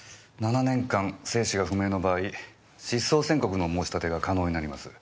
７年間生死が不明の場合失踪宣告の申し立てが可能になります。